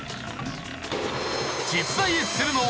実在するのは。